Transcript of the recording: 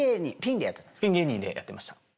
ピン芸人でやってました。